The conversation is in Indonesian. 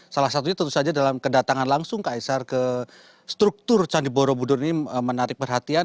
salah satunya tentu saja dalam kedatangan langsung kaisar ke struktur candi borobudur ini menarik perhatian